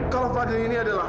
kalau fadil ini adalah